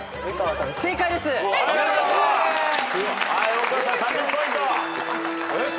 及川さん３０ポイント。